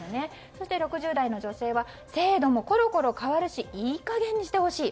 そして６０代の女性は制度もコロコロ変わるしいい加減にしてほしい。